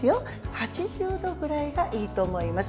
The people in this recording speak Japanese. ８０度ぐらいがいいと思います。